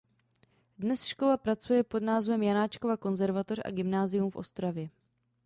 Dnes škola pracuje pod názvem Janáčkova konzervatoř a Gymnázium v Ostravě.